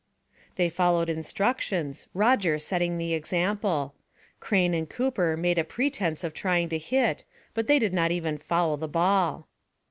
They followed instructions, Roger setting the example. Crane and Cooper made a pretense of trying to hit, but they did not even foul the ball.